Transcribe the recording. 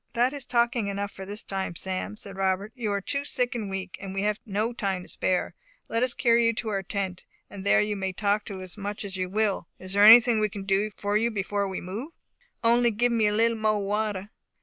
"That is talking enough for this time, Sam," said Robert; "you are too sick and weak, and we have no time to spare. Let us carry you to our tent, and there you may talk as much as you will. Is there anything we can do for you before we move?" "Only to give me a little mo'e water."